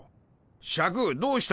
シャクどうしたのじゃ。